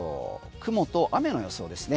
雲と雨の予想ですね。